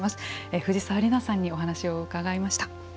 藤沢里菜さんにお話を伺いました。